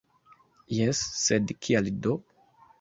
Jes, sed kial do?